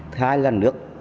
thứ hai là nước